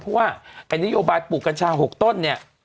เพราะว่าไอ้นโยบายปลูกกัญชา๖ต้นเนี่ย